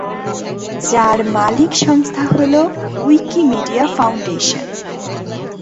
যার মালিক সংস্থা হল উইকিমিডিয়া ফাউন্ডেশন।